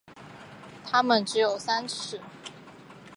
它们只有三趾。